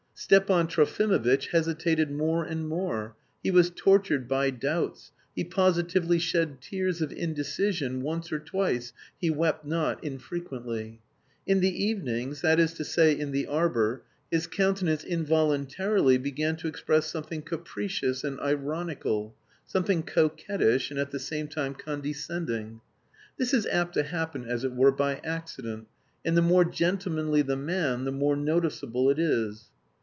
Stepan Trofimovitch hesitated more and more, he was tortured by doubts, he positively shed tears of indecision once or twice (he wept not infrequently). In the evenings, that is to say in the arbour, his countenance involuntarily began to express something capricious and ironical, something coquettish and at the same time condescending. This is apt to happen as it were by accident, and the more gentlemanly the man the more noticeable it is.